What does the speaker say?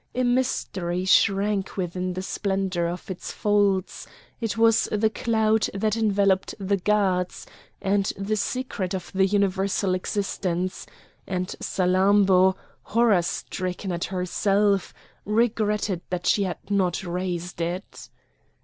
A mystery shrank within the splendour of its folds; it was the cloud that enveloped the gods, and the secret of the universal existence, and Salammbô, horror stricken at herself, regretted that she had not raised it.